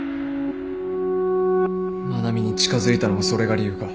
愛菜美に近づいたのもそれが理由か？